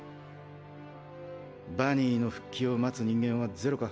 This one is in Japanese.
バニーの復帰を待つ人間はゼロか？